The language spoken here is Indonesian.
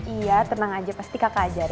iya tenang aja pasti kakak ajar